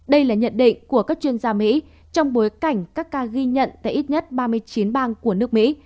đây là nhận định của các chuyên gia mỹ trong bối cảnh các ca ghi nhận tại ít nhất ba mươi chín bang của nước mỹ